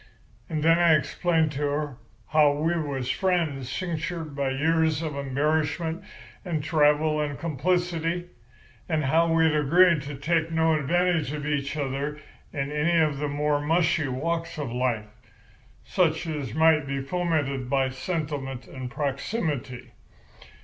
"And then I explained to her how we was friends cinctured by years of embarrassment and travel and complicity, and how we had agreed to take no advantage of each other in any of the more mushy walks of life, such as might be fomented by sentiment and proximity.